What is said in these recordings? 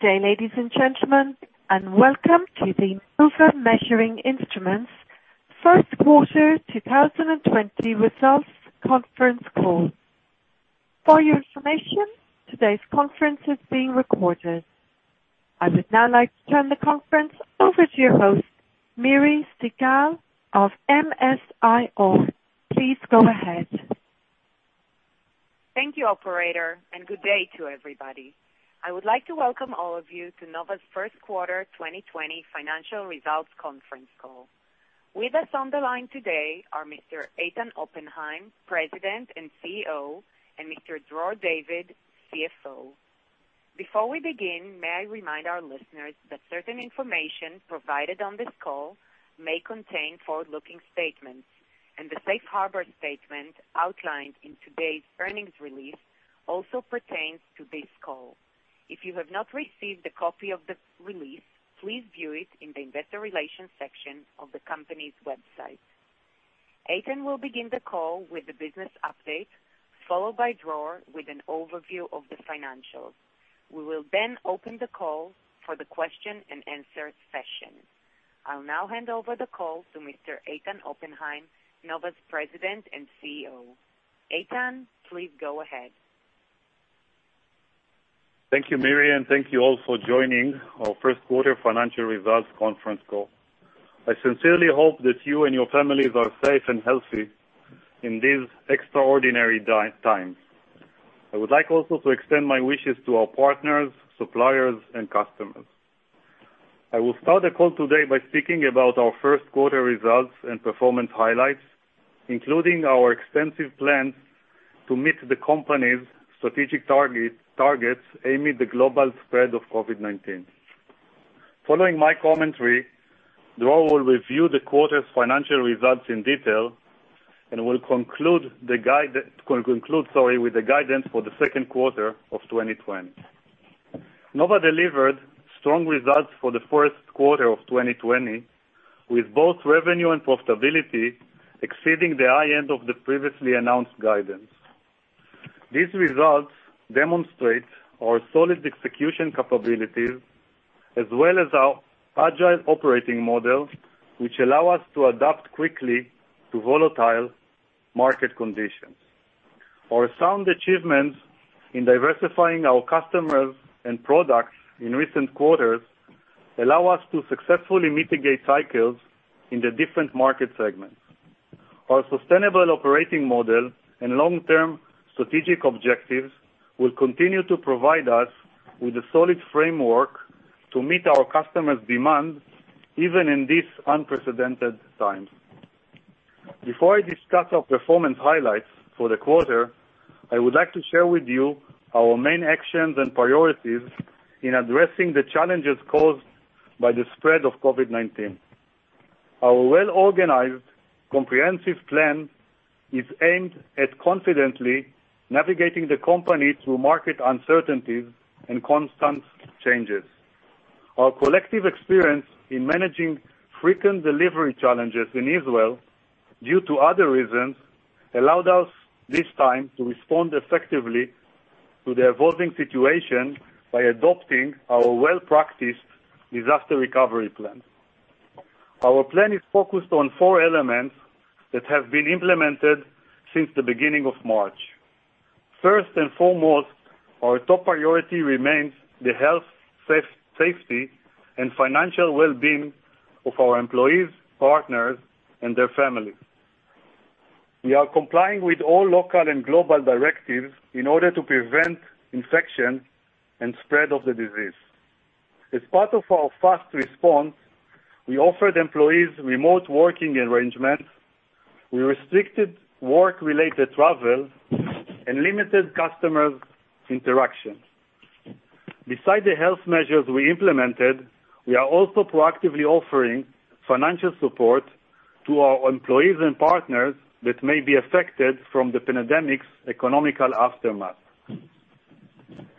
Good day, ladies and gentlemen, and welcome to the Nova Measuring Instruments first quarter 2020 results conference call. For your information, today's conference is being recorded. I would now like to turn the conference over to your host, Miri Segal of MS-IR. Please go ahead. Thank you, operator, and good day to everybody. I would like to welcome all of you to Nova's first quarter 2020 financial results conference call. With us on the line today are Mr. Eitan Oppenhaim, President and CEO, and Mr. Dror David, CFO. Before we begin, may I remind our listeners that certain information provided on this call may contain forward-looking statements, and the safe harbor statement outlined in today's earnings release also pertains to this call. If you have not received a copy of the release, please view it in the investor relations section of the company's website. Eitan will begin the call with the business update, followed by Dror, with an overview of the financials. We will then open the call for the question and answer session. I'll now hand over the call to Mr. Eitan Oppenhaim, Nova's President and CEO. Eitan, please go ahead. Thank you, Miri, and thank you all for joining our first quarter financial results conference call. I sincerely hope that you and your families are safe and healthy in these extraordinary times. I would like also to extend my wishes to our partners, suppliers, and customers. I will start the call today by speaking about our first quarter results and performance highlights, including our extensive plans to meet the company's strategic targets amid the global spread of COVID-19. Following my commentary, Dror will review the quarter's financial results in detail and will conclude with the guidance for the second quarter of 2020. Nova delivered strong results for the first quarter of 2020, with both revenue and profitability exceeding the high end of the previously announced guidance. These results demonstrate our solid execution capabilities, as well as our agile operating model, which allow us to adapt quickly to volatile market conditions. Our sound achievements in diversifying our customers and products in recent quarters allow us to successfully mitigate cycles in the different market segments. Our sustainable operating model and long-term strategic objectives will continue to provide us with a solid framework to meet our customers' demands, even in these unprecedented times. Before I discuss our performance highlights for the quarter, I would like to share with you our main actions and priorities in addressing the challenges caused by the spread of COVID-19. Our well-organized, comprehensive plan is aimed at confidently navigating the company through market uncertainties and constant changes. Our collective experience in managing frequent delivery challenges in Israel, due to other reasons, allowed us this time to respond effectively to the evolving situation by adopting our well-practiced disaster recovery plan. Our plan is focused on four elements that have been implemented since the beginning of March. First and foremost, our top priority remains the health, safety, and financial well-being of our employees, partners, and their families. We are complying with all local and global directives in order to prevent infection and spread of the disease. As part of our fast response, we offered employees remote working arrangements, we restricted work-related travel, and limited customer interaction. Besides the health measures we implemented, we are also proactively offering financial support to our employees and partners that may be affected from the pandemic's economic aftermath.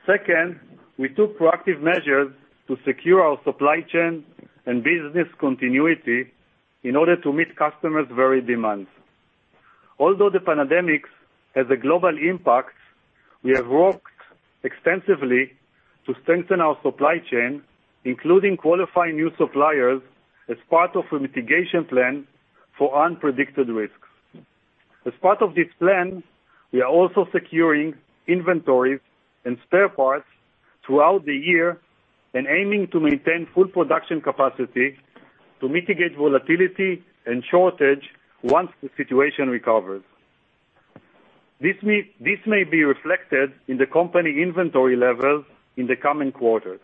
Second, we took proactive measures to secure our supply chain and business continuity in order to meet customers' varied demands. Although the pandemic has a global impact, we have worked extensively to strengthen our supply chain, including qualifying new suppliers as part of a mitigation plan for unpredicted risks. As part of this plan, we are also securing inventories and spare parts throughout the year and aiming to maintain full production capacity to mitigate volatility and shortage once the situation recovers. This may be reflected in the company inventory levels in the coming quarters.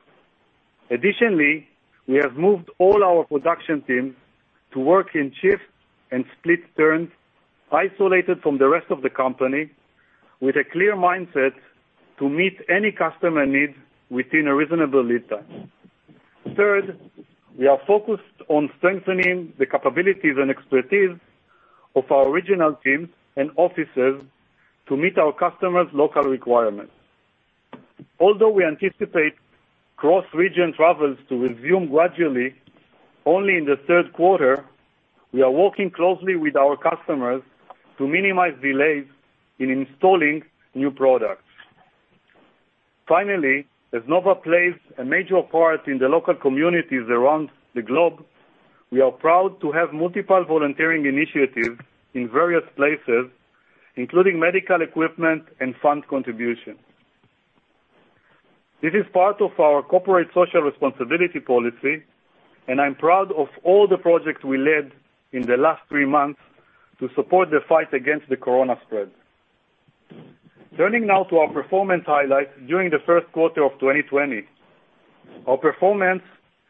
Additionally, we have moved all our production teams to work in shifts and split turns, isolated from the rest of the company, with a clear mindset to meet any customer needs within a reasonable lead time. Third, we are focused on strengthening the capabilities and expertise of our regional teams and offices to meet our customers' local requirements. We anticipate cross-region travels to resume gradually only in the third quarter. We are working closely with our customers to minimize delays in installing new products. Finally, as Nova plays a major part in the local communities around the globe, we are proud to have multiple volunteering initiatives in various places, including medical equipment and fund contributions. This is part of our corporate social responsibility policy, and I'm proud of all the projects we led in the last three months to support the fight against the coronavirus spread. Turning now to our performance highlights during the first quarter of 2020. Our performance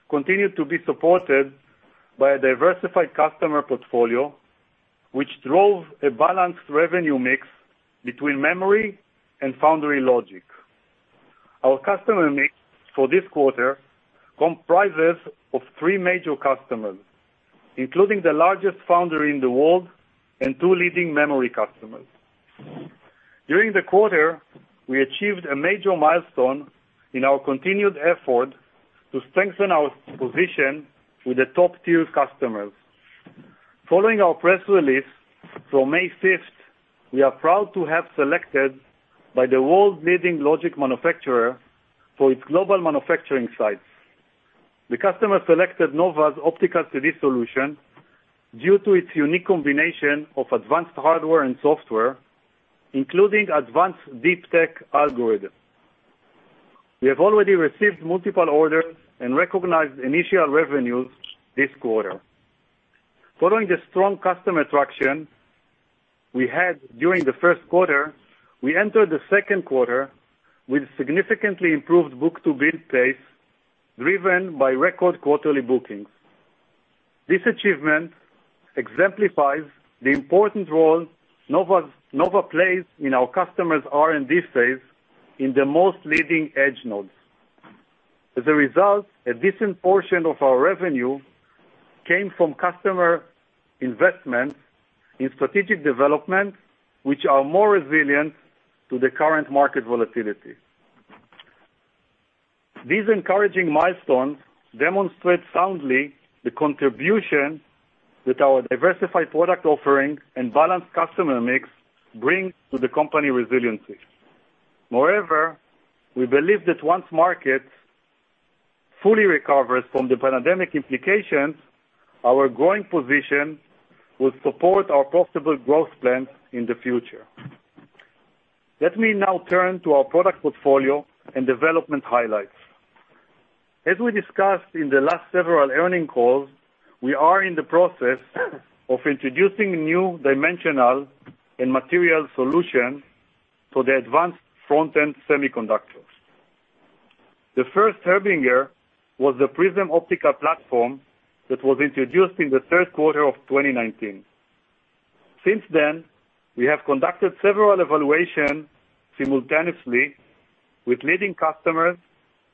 continued to be supported by a diversified customer portfolio, which drove a balanced revenue mix between memory and foundry logic. Our customer mix for this quarter comprises of three major customers, including the largest foundry in the world and two leading memory customers. During the quarter, we achieved a major milestone in our continued effort to strengthen our position with the top-tier customers. Following our press release from May 5th, we are proud to have selected by the world's leading logic manufacturer for its global manufacturing sites. The customer selected Nova's optical 3D solution due to its unique combination of advanced hardware and software, including advanced deep tech algorithms. We have already received multiple orders and recognized initial revenues this quarter. Following the strong customer traction we had during the first quarter, we entered the second quarter with significantly improved book-to-bill pace, driven by record quarterly bookings. This achievement exemplifies the important role Nova plays in our customers' R&D phase in the most leading-edge nodes. As a result, a decent portion of our revenue came from customer investments in strategic development, which are more resilient to the current market volatility. These encouraging milestones demonstrate soundly the contribution that our diversified product offering and balanced customer mix bring to the company resiliency. Moreover, we believe that once market fully recovers from the pandemic implications, our growing position will support our profitable growth plans in the future. Let me now turn to our product portfolio and development highlights. As we discussed in the last several earning calls, we are in the process of introducing new dimensional and material solutions to the advanced front-end semiconductors. The first harbinger was the PRISM optical platform that was introduced in the third quarter of 2019. Since then, we have conducted several evaluations simultaneously with leading customers,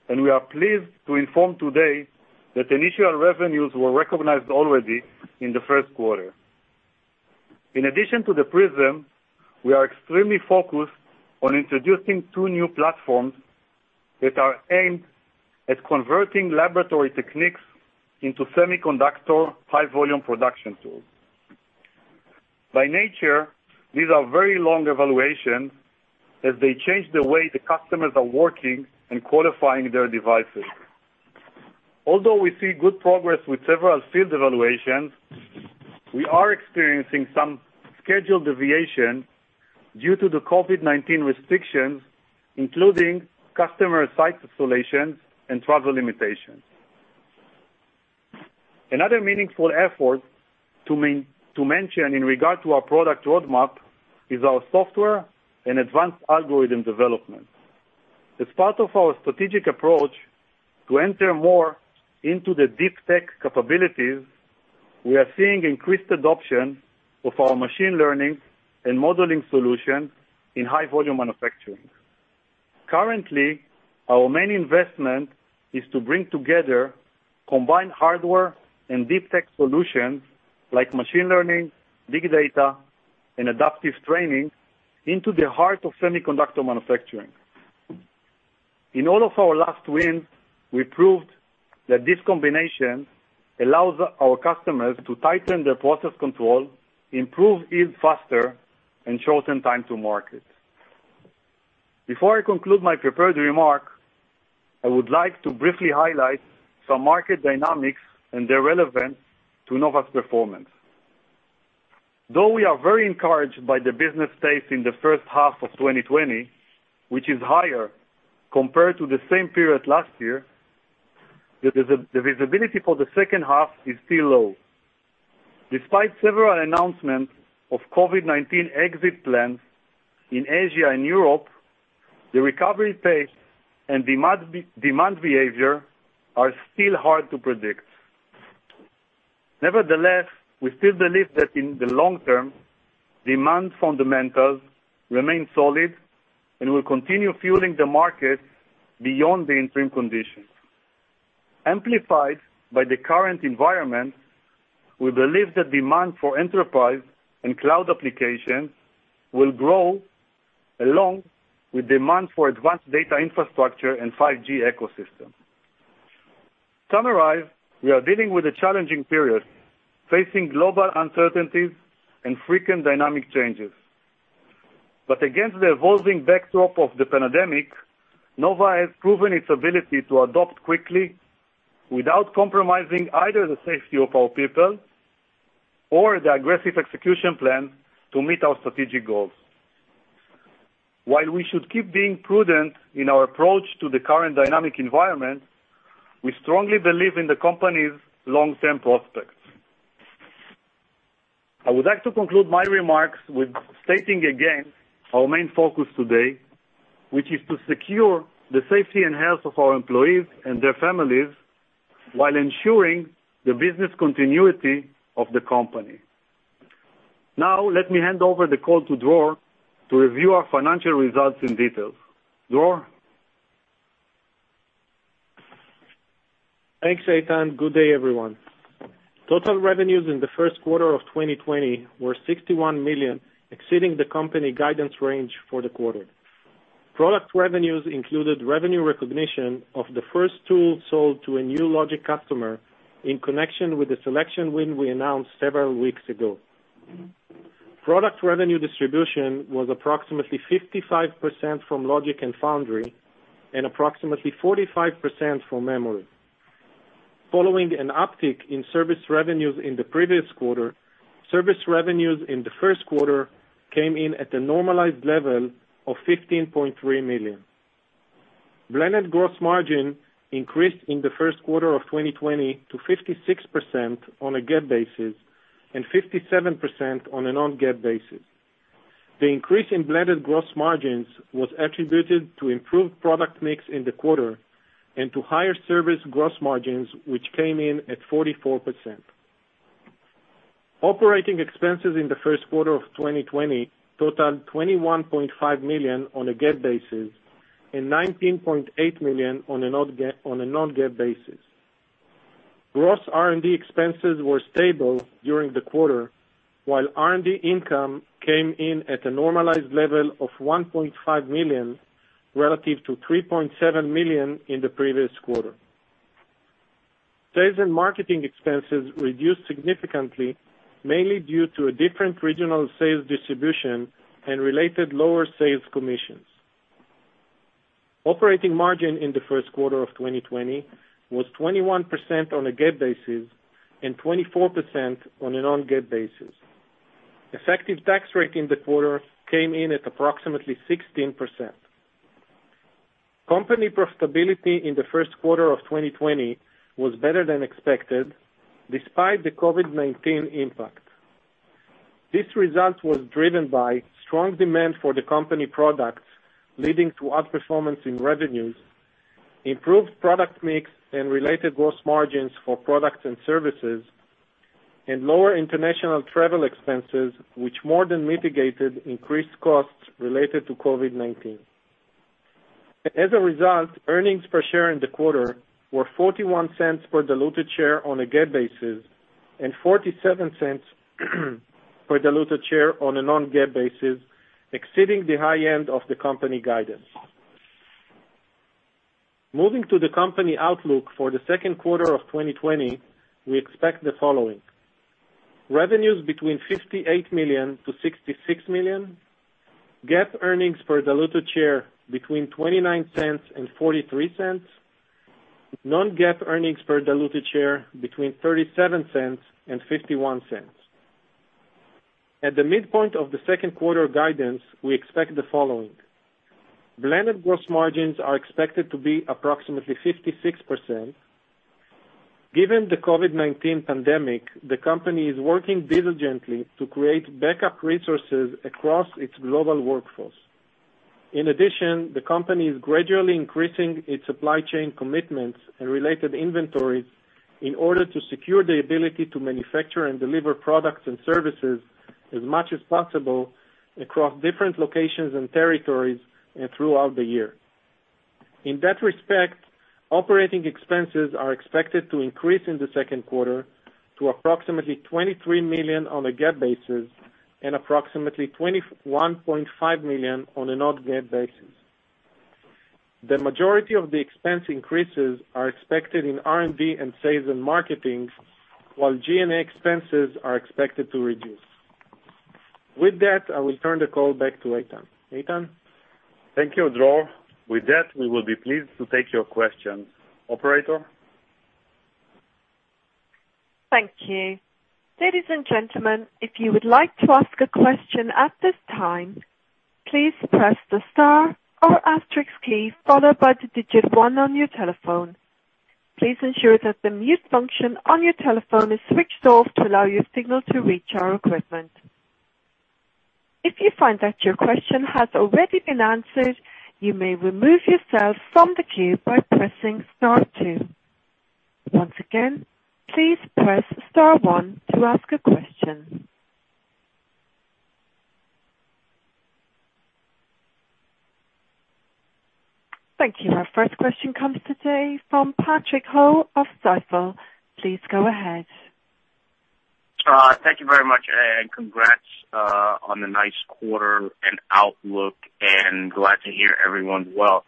and we are pleased to inform today that initial revenues were recognized already in the first quarter. In addition to the PRISM, we are extremely focused on introducing two new platforms that are aimed at converting laboratory techniques into semiconductor high-volume production tools. By nature, these are very long evaluations as they change the way the customers are working and qualifying their devices. Although we see good progress with several field evaluations, we are experiencing some scheduled deviations due to the COVID-19 restrictions, including customer site isolations and travel limitations. Another meaningful effort to mention in regard to our product roadmap is our software and advanced algorithm development. As part of our strategic approach to enter more into the deep tech capabilities, we are seeing increased adoption of our machine learning and modeling solutions in high-volume manufacturing. Currently, our main investment is to bring together combined hardware and deep tech solutions like machine learning, big data, and adaptive training into the heart of semiconductor manufacturing. In all of our last wins, we proved that this combination allows our customers to tighten their process control, improve yield faster, and shorten time to market. Before I conclude my prepared remarks, I would like to briefly highlight some market dynamics and their relevance to Nova's performance. Though we are very encouraged by the business pace in the first half of 2020, which is higher compared to the same period last year, the visibility for the second half is still low. Despite several announcements of COVID-19 exit plans in Asia and Europe, the recovery pace and demand behavior are still hard to predict. Nevertheless, we still believe that in the long term, demand fundamentals remain solid and will continue fueling the market beyond the interim conditions. Amplified by the current environment, we believe that demand for enterprise and cloud applications will grow along with demand for advanced data infrastructure and 5G ecosystem. To summarize, we are dealing with a challenging period, facing global uncertainties and frequent dynamic changes. Against the evolving backdrop of the pandemic, Nova has proven its ability to adapt quickly without compromising either the safety of our people or the aggressive execution plan to meet our strategic goals. While we should keep being prudent in our approach to the current dynamic environment, we strongly believe in the company's long-term prospects. I would like to conclude my remarks with stating again our main focus today, which is to secure the safety and health of our employees and their families while ensuring the business continuity of the company. Now, let me hand over the call to Dror to review our financial results in detail. Dror? Thanks, Eitan. Good day, everyone. Total revenues in the first quarter of 2020 were $61 million, exceeding the company guidance range for the quarter. Product revenues included revenue recognition of the first tool sold to a new Logic customer in connection with the selection win we announced several weeks ago. Product revenue distribution was approximately 55% from Logic and Foundry, and approximately 45% from Memory. Following an uptick in service revenues in the previous quarter, service revenues in the first quarter came in at a normalized level of $15.3 million. Blended gross margin increased in the first quarter of 2020 to 56% on a GAAP basis and 57% on a non-GAAP basis. The increase in blended gross margins was attributed to improved product mix in the quarter and to higher service gross margins, which came in at 44%. Operating expenses in the first quarter of 2020 totaled $21.5 million on a GAAP basis and $19.8 million on a non-GAAP basis. Gross R&D expenses were stable during the quarter, while R&D income came in at a normalized level of $1.5 million, relative to $3.7 million in the previous quarter. Sales and marketing expenses reduced significantly, mainly due to a different regional sales distribution and related lower sales commissions. Operating margin in the first quarter of 2020 was 21% on a GAAP basis and 24% on a non-GAAP basis. Effective tax rate in the quarter came in at approximately 16%. Company profitability in the first quarter of 2020 was better than expected, despite the COVID-19 impact. This result was driven by strong demand for the company products, leading to outperformance in revenues, improved product mix and related gross margins for products and services, and lower international travel expenses, which more than mitigated increased costs related to COVID-19. As a result, earnings per share in the quarter were $0.41 per diluted share on a GAAP basis and $0.47 per diluted share on a non-GAAP basis, exceeding the high end of the company guidance. Moving to the company outlook for the second quarter of 2020, we expect the following. Revenues between $58 million-$66 million. GAAP earnings per diluted share between $0.29 and $0.43. Non-GAAP earnings per diluted share between $0.37 and $0.51. At the midpoint of the second quarter guidance, we expect the following. Blended gross margins are expected to be approximately 56%. Given the COVID-19 pandemic, the company is working diligently to create backup resources across its global workforce. In addition, the company is gradually increasing its supply chain commitments and related inventories in order to secure the ability to manufacture and deliver products and services as much as possible across different locations and territories and throughout the year. In that respect, operating expenses are expected to increase in the second quarter to approximately $23 million on a GAAP basis and approximately $21.5 million on a non-GAAP basis. The majority of the expense increases are expected in R&D and sales and marketing, while G&A expenses are expected to reduce. With that, I will turn the call back to Eitan. Eitan? Thank you, Dror. With that, we will be pleased to take your questions. Operator? Thank you. Ladies and gentlemen, if you would like to ask a question at this time, please press the star or asterisk key, followed by the digit 1 on your telephone. Please ensure that the mute function on your telephone is switched off to allow your signal to reach our equipment. If you find that your question has already been answered, you may remove yourself from the queue by pressing star 2. Once again, please press star 1 to ask a question. Thank you. Our first question comes today from Patrick Ho of Stifel. Please go ahead. Thank you very much, and congrats on the nice quarter and outlook, and glad to hear everyone's well.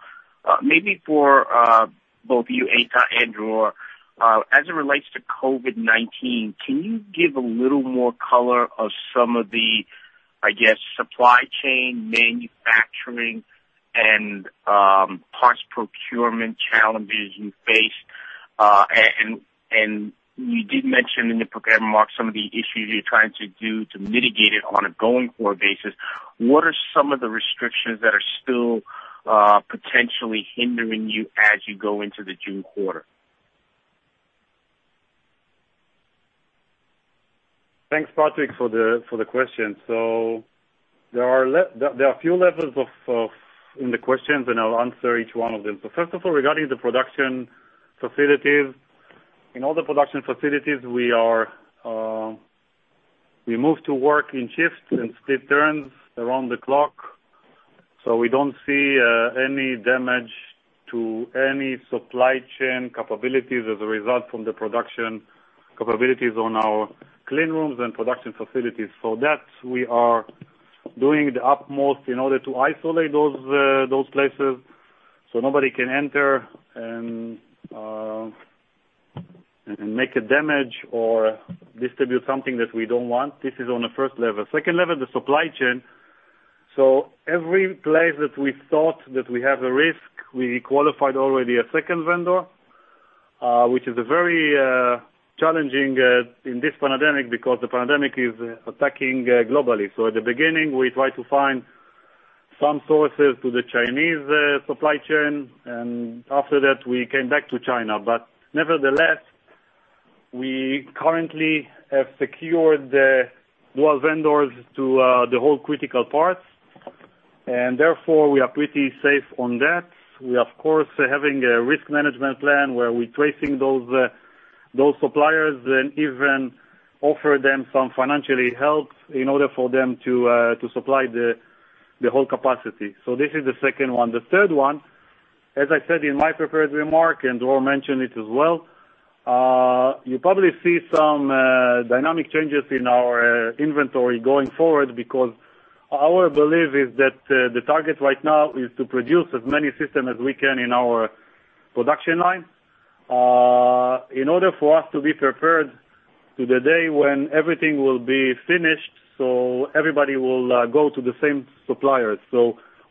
Maybe for both of you, Eitan and Dror, as it relates to COVID-19, can you give a little more color of some of the, I guess, supply chain manufacturing and parts procurement challenges you face? You did mention in the prepared remarks some of the issues you're trying to do to mitigate it on a going-forward basis. What are some of the restrictions that are still potentially hindering you as you go into the June quarter? Thanks, Patrick, for the question. There are a few levels in the questions, and I'll answer each one of them. First of all, regarding the production facilities, in all the production facilities, we move to work in shifts and split turns around the clock. We don't see any damage to any supply chain capabilities as a result from the production capabilities on our clean rooms and production facilities. For that, we are doing the utmost in order to isolate those places so nobody can enter and make a damage or distribute something that we don't want. This is on the first level. Second level, the supply chain. Every place that we thought that we have a risk, we qualified already a second vendor, which is very challenging in this pandemic because the pandemic is attacking globally. At the beginning, we tried to find some sources to the Chinese supply chain, and after that, we came back to China. Nevertheless, we currently have secured the dual vendors to the whole critical parts, and therefore we are pretty safe on that. We, of course, are having a risk management plan where we're tracing those suppliers and even offer them some financial help in order for them to supply the whole capacity. This is the second one. The third one, as I said in my prepared remark, and Dror mentioned it as well, you probably see some dynamic changes in our inventory going forward because our belief is that the target right now is to produce as many systems as we can in our production line in order for us to be prepared for the day when everything will be finished, so everybody will go to the same supplier.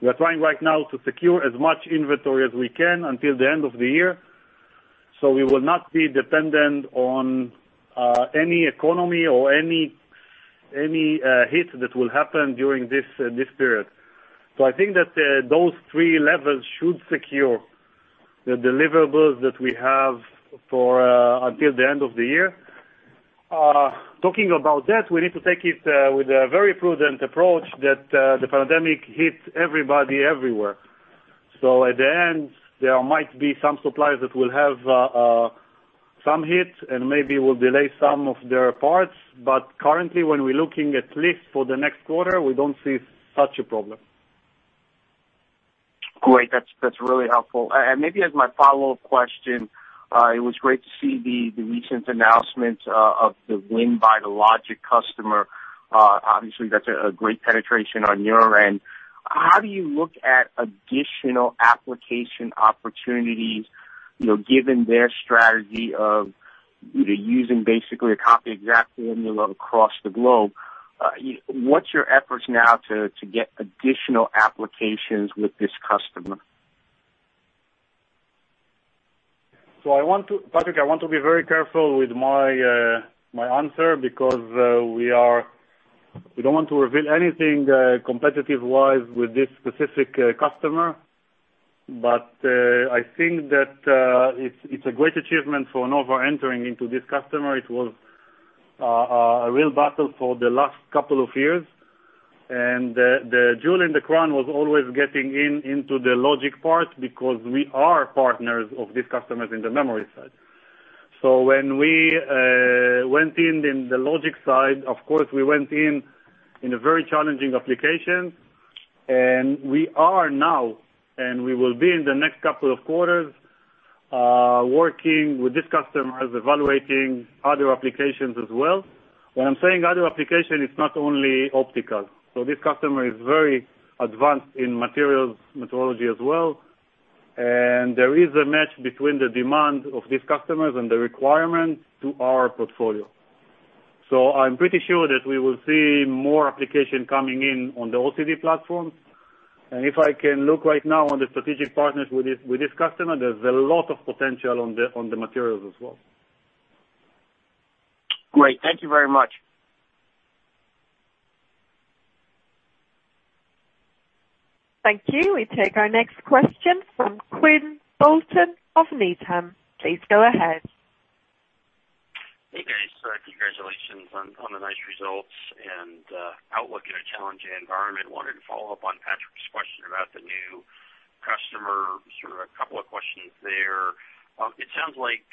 We're trying right now to secure as much inventory as we can until the end of the year, so we will not be dependent on any economy or any hit that will happen during this period. I think that those 3 levels should secure the deliverables that we have until the end of the year. Talking about that, we need to take it with a very prudent approach that the pandemic hits everybody everywhere. In the end, there might be some suppliers that will have some hits and maybe will delay some of their parts. Currently, when we're looking at least for the next quarter, we don't see such a problem. Great. That's really helpful. Maybe as my follow-up question, it was great to see the recent announcement of the win by the Logic customer. Obviously, that's a great penetration on your end. How do you look at additional application opportunities, given their strategy of using basically a copy exact formula across the globe? What's your efforts now to get additional applications with this customer? Patrick, I want to be very careful with my answer because we don't want to reveal anything competitive-wise with this specific customer. I think that it's a great achievement for Nova entering into this customer. It was a real battle for the last couple of years, and the jewel in the crown was always getting into the Logic part because we are partners of this customer in the memory side. When we went in in the Logic side, of course, we went in in a very challenging application, and we are now, and we will be in the next couple of quarters, working with this customer as evaluating other applications as well. When I'm saying other application, it's not only optical. This customer is very advanced in materials methodology as well, and there is a match between the demand of this customer and the requirement to our portfolio. I'm pretty sure that we will see more applications coming in on the OCD platforms. If I can look right now on the strategic partners with this customer, there's a lot of potential on the materials as well. Great. Thank you very much. Thank you. We take our next question from Quinn Bolton of Needham. Please go ahead. Hey, guys. Congratulations on the nice results and outlook in a challenging environment. Wanted to follow up on Patrick's question about the new customer, sort of a couple of questions there. It sounds like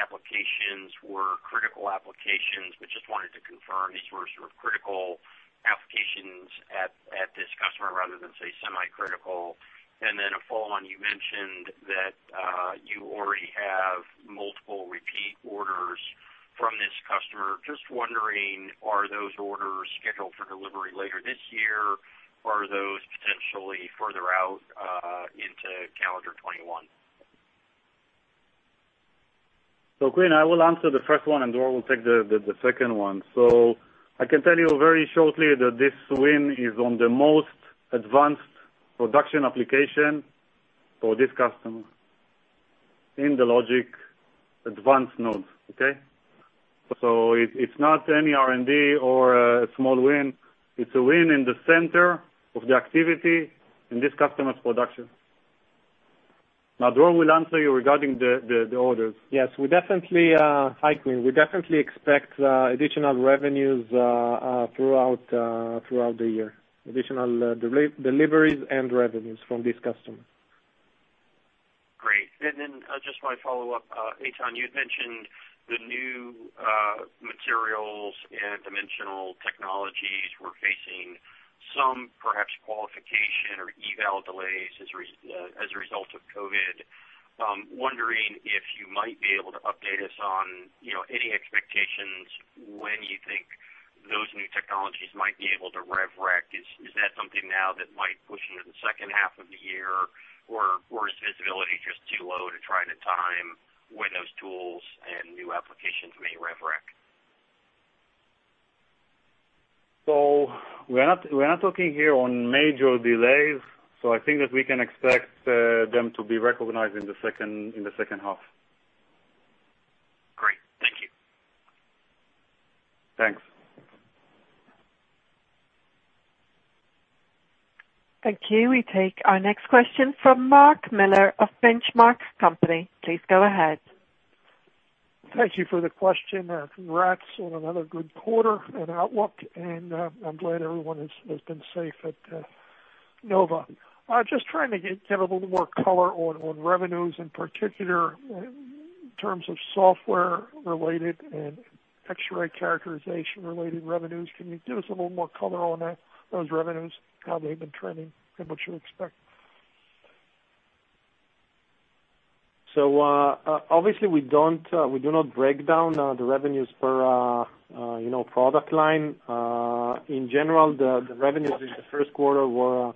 applications were critical applications, but just wanted to confirm these were sort of critical applications at this customer rather than, say, semi-critical. A follow-on, you mentioned that you already have multiple repeat orders from this customer. Just wondering, are those orders scheduled for delivery later this year, or are those potentially further out into calendar 2021? Quinn, I will answer the first one, and Dror will take the second one. I can tell you very shortly that this win is on the most advanced production application for this customer in the logic advanced nodes. Okay. It's not any R&D or a small win. It's a win in the center of the activity in this customer's production. Now, Dror will answer you regarding the orders. Yes. Hi, Quinn. We definitely expect additional revenues throughout the year. Additional deliveries and revenues from this customer. Great. Then just my follow-up. Eitan, you had mentioned the new materials and dimensional technologies were facing some perhaps qualification or eval delays as a result of COVID. Wondering if you might be able to update us on any expectations when you think those new technologies might be able to rev rec. Is that something now that might push into the second half of the year, or is visibility just too low to try to time when those tools and new applications may rev rec? We're not talking here on major delays, so I think that we can expect them to be recognized in the second half. Great. Thank you. Thanks. Thank you. We take our next question from Mark Miller of Benchmark Company. Please go ahead. Thank you for the question. Congrats on another good quarter and outlook. I'm glad everyone has been safe at Nova. I was just trying to get a little more color on revenues, in particular, in terms of software-related and X-ray characterization-related revenues. Can you give us a little more color on those revenues, how they've been trending, and what you expect? Obviously, we do not break down the revenues per product line. In general, the revenues in the first quarter were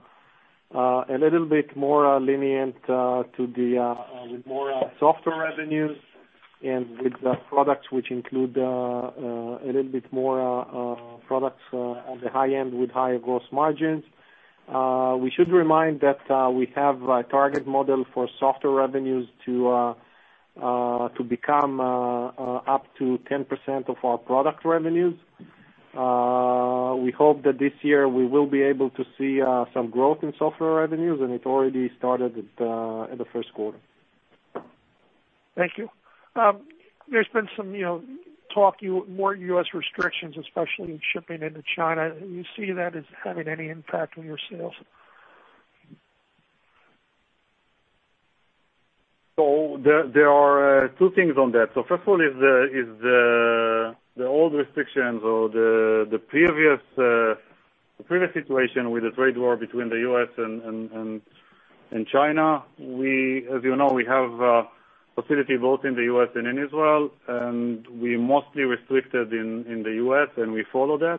a little bit more lenient with more software revenues and with the products, which include a little bit more products at the high end with higher gross margins. We should remind that we have a target model for software revenues to become up to 10% of our product revenues. We hope that this year we will be able to see some growth in software revenues, and it already started in the first quarter. Thank you. There's been some talk, more U.S. restrictions, especially shipping into China. Do you see that as having any impact on your sales? There are two things on that. First of all, is the old restrictions or the previous situation with the trade war between the U.S. and China. As you know, we have a facility both in the U.S. and in Israel, and we mostly restricted in the U.S., and we followed that.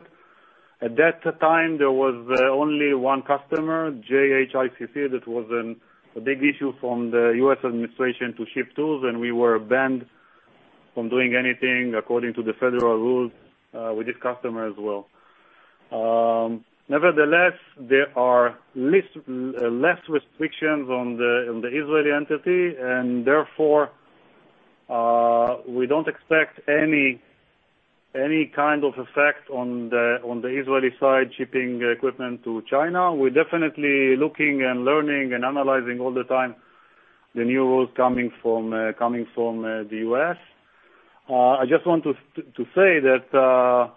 At that time, there was only one customer, JHICC, that was a big issue from the U.S. administration to ship tools, and we were banned from doing anything according to the federal rules, with this customer as well. Nevertheless, there are less restrictions on the Israeli entity, and therefore, we don't expect any kind of effect on the Israeli side shipping equipment to China. We're definitely looking and learning and analyzing all the time the new rules coming from the U.S. I just want to say that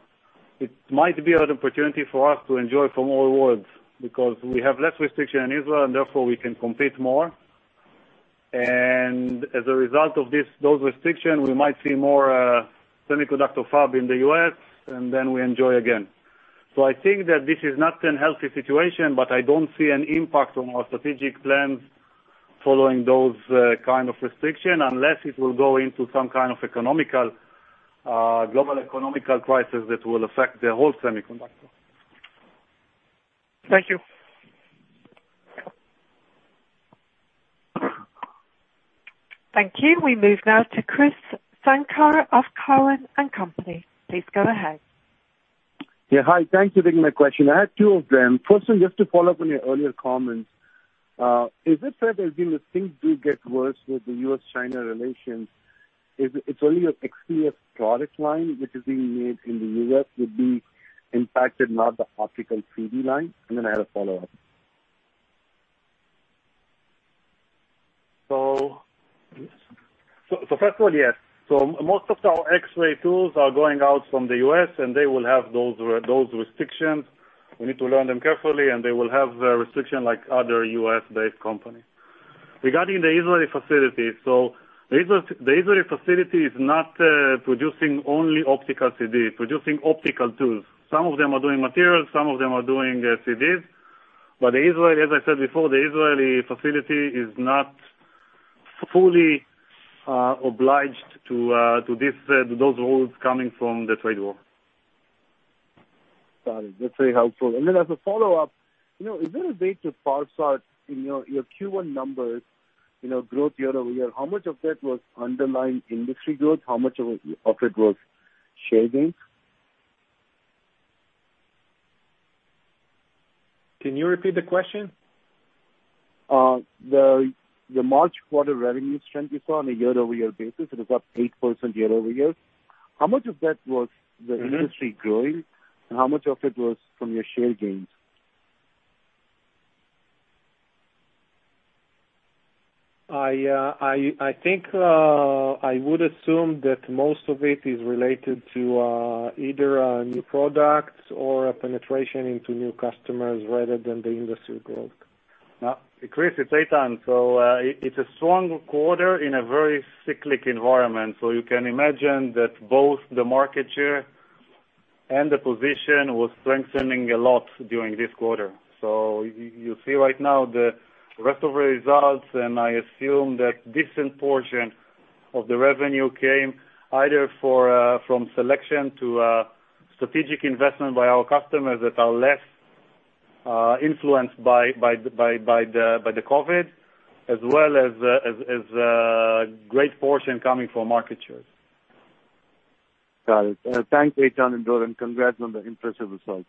it might be an opportunity for us to enjoy from all worlds because we have less restriction in Israel, and therefore, we can compete more. As a result of those restrictions, we might see more semiconductor fab in the U.S., and then we enjoy again. I think that this is not a healthy situation, but I don't see an impact on our strategic plans following those kind of restriction unless it will go into some kind of global economic crisis that will affect the whole semiconductor. Thank you. Thank you. We move now to Krish Sankar of Cowen and Company. Please go ahead. Yeah. Hi. Thank you for taking my question. I have two of them. First one, just to follow up on your earlier comments. Is it fair to assume that things do get worse with the U.S.-China relations? It's only your XRF product line, which is being made in the U.S., would be impacted, not the optical CD line? Then I have a follow-up. First of all, yes. Most of our X-ray tools are going out from the U.S., and they will have those restrictions. We need to learn them carefully, and they will have restriction like other U.S.-based company. Regarding the Israeli facility, the Israeli facility is not producing only optical CD, producing optical tools. Some of them are doing materials, some of them are doing CDs. As I said before, the Israeli facility is not fully obliged to those rules coming from the trade war. Got it. That's very helpful. As a follow-up, is there a way to parse out in your Q1 numbers growth year-over-year, how much of that was underlying industry growth? How much of it was share gains? Can you repeat the question? The March quarter revenue trend we saw on a year-over-year basis, it was up 8% year-over-year. How much of that was? industry growing, and how much of it was from your share gains? I think, I would assume that most of it is related to either new products or a penetration into new customers rather than the industry growth. Krish, it's Eitan. It's a strong quarter in a very cyclic environment. You can imagine that both the market share and the position was strengthening a lot during this quarter. You see right now the rest of results, and I assume that decent portion of the revenue came either from selection to strategic investment by our customers that are less influenced by the COVID as well as great portion coming from market shares. Got it. Thanks, Eitan and Dror. Congrats on the impressive results.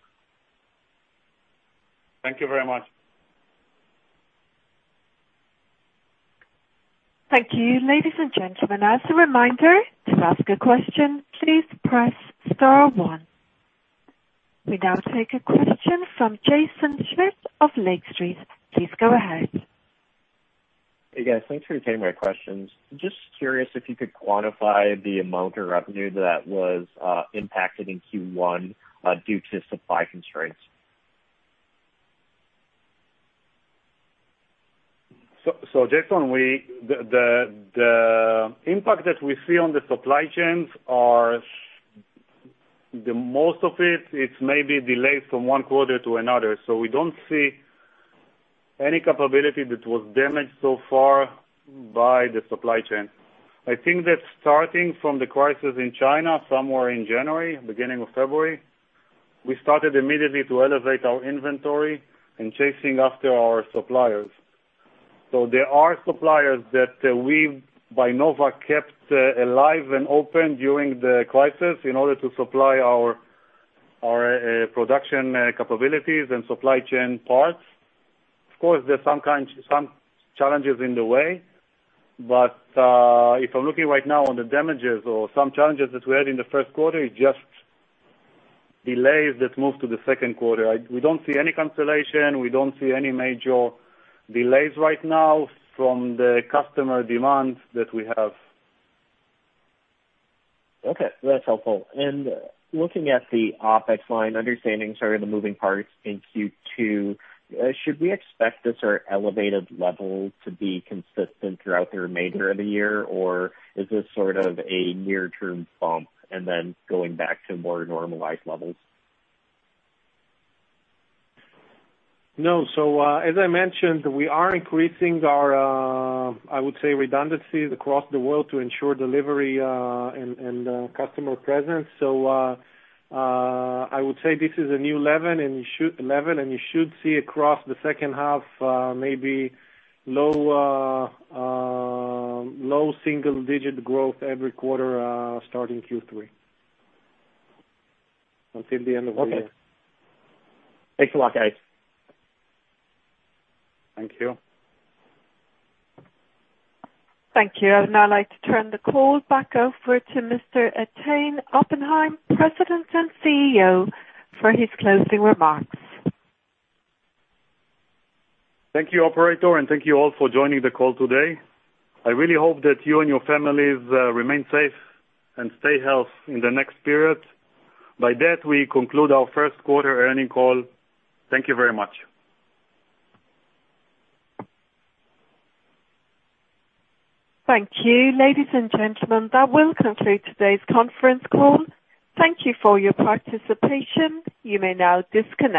Thank you very much. Thank you. Ladies and gentlemen, as a reminder to ask a question, please press star one. We now take a question from Jaeson Schmidt of Lake Street. Please go ahead. Hey, guys. Thanks for taking my questions. Just curious if you could quantify the amount of revenue that was impacted in Q1 due to supply constraints. Jaeson, the impact that we see on the supply chains are the most of it's maybe delays from one quarter to another. We don't see any capability that was damaged so far by the supply chain. I think that starting from the crisis in China, somewhere in January, beginning of February, we started immediately to elevate our inventory and chasing after our suppliers. There are suppliers that we, by Nova, kept alive and open during the crisis in order to supply our production capabilities and supply chain parts. Of course, there's some challenges in the way. If I'm looking right now on the damages or some challenges that we had in the first quarter, it just delays that move to the second quarter. We don't see any cancellation. We don't see any major delays right now from the customer demands that we have. Okay. That's helpful. Looking at the OpEx line, understanding, sorry, the moving parts in Q2, should we expect this sort of elevated level to be consistent throughout the remainder of the year? Is this sort of a near-term bump and then going back to more normalized levels? No. As I mentioned, we are increasing our, I would say, redundancies across the world to ensure delivery and customer presence. I would say this is a new level, and you should see across the second half, maybe low single-digit growth every quarter, starting Q3 until the end of the year. Okay. Thanks a lot, guys. Thank you. Thank you. I'd now like to turn the call back over to Mr. Eitan Oppenhaim, President and CEO, for his closing remarks. Thank you, operator, and thank you all for joining the call today. I really hope that you and your families remain safe and stay healthy in the next period. By that, we conclude our first quarter earnings call. Thank you very much. Thank you. Ladies and gentlemen, that will conclude today's conference call. Thank you for your participation. You may now disconnect.